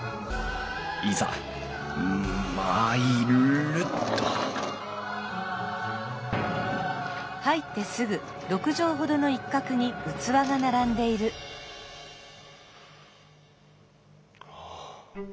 いざ参るっとああ。